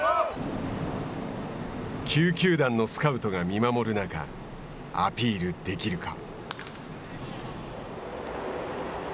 ９球団のスカウトが見守る中アピールできるか。